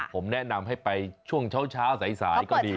ผมแนะนำให้ไปช่วงเช้าสายก็ดี